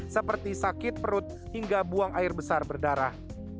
seperti sakit perut hingga buang air besar berdarah